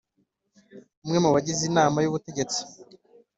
Umwe mu bagize inama y ubutegetsi